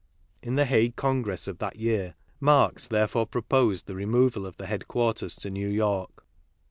In the Hague Congress of that year, Marx therefore proposed the removal of the headquarters to New York.